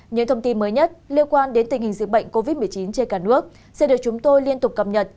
những thông tin mới nhất liên quan đến tình hình dịch bệnh covid một mươi chín trên cả nước sẽ được chúng tôi liên tục cập nhật